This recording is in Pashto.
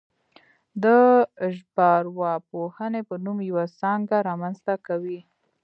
د ژبارواپوهنې په نوم یوه څانګه رامنځته کوي